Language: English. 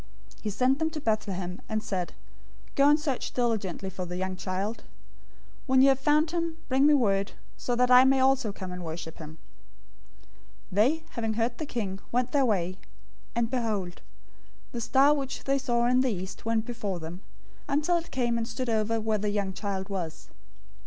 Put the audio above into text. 002:008 He sent them to Bethlehem, and said, "Go and search diligently for the young child. When you have found him, bring me word, so that I also may come and worship him." 002:009 They, having heard the king, went their way; and behold, the star, which they saw in the east, went before them, until it came and stood over where the young child was.